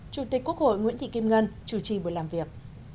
chủ tịch quốc hội nguyễn thị kim ngân chủ trì buổi làm việc